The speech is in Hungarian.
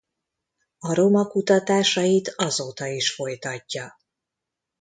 A roma kutatásait azóta is folytatja.